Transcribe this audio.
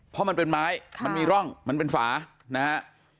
เพราะมันเป็นไม้มันมีร่องมันเป็นฝานะฮะ